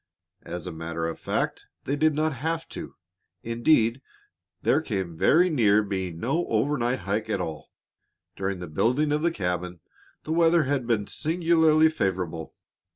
As a matter of fact they did not have to. Indeed, there came very near being no overnight hike at all. During the building of the cabin the weather had been singularly favorable.